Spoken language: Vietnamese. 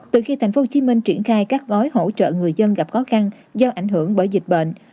từ khi tp hcm triển khai các gói hỗ trợ người dân gặp khó khăn do ảnh hưởng bởi dịch bệnh